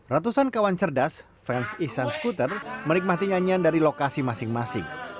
ratusan kawan cerdas fans ihsan skuter menikmati nyanyian dari lokasi masing masing